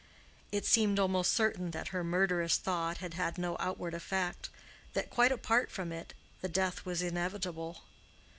It seemed almost certain that her murderous thought had had no outward effect—that, quite apart from it, the death was inevitable.